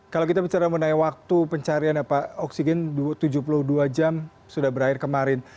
kalau kita bicara mengenai waktu pencarian ya pak oksigen tujuh puluh dua jam sudah berakhir kemarin